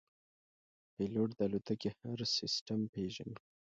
پیلوټ د الوتکې هر سیستم پېژني.